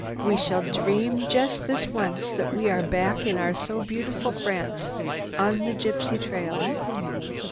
We shall dream just this once that we are back in our so beautiful France on the Gypsy Trail.